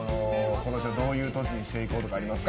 この年をどういう年にしていこうとかありますか？